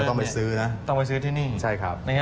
ก็ต้องไปซื้อนะต้องไปซื้อที่นี่